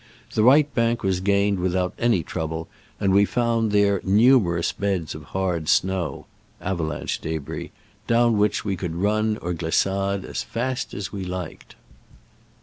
The right bank was gained without any trouble, and we found there numerous beds of hard snow (avalanche debris), down which we could run or glissade as fast as we liked.